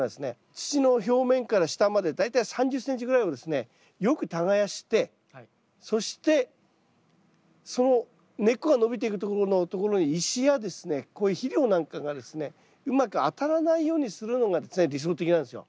土の表面から下まで大体３０ｃｍぐらいをですねよく耕してそしてその根っこが伸びていくところに石やこういう肥料なんかがですねうまく当たらないようにするのが理想的なんですよ。